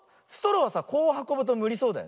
こうはこぶとむりそうだよね。